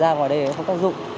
ra ngoài đây nó không tác dụng